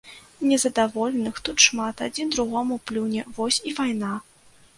Незадаволеных тут шмат, адзін другому плюне, вось і вайна!